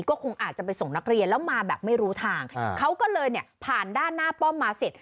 ก็คงอาจจะไปส่งนักเรียนแล้วมาแบบไม่รู้ทางเขาก็เลยเนี่ยผ่านด้านหน้าป้อมมาเสร็จ